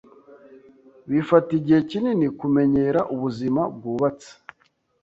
Bifata igihe kinini kumenyera ubuzima bwubatse.